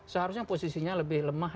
seharusnya posisinya lebih lemah